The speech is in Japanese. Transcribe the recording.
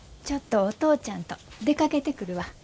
ちょっとお父ちゃんと出かけてくるわ。